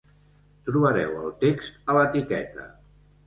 Trobareu el text a l'etiqueta.